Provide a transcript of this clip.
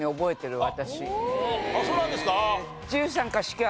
そうなんですか？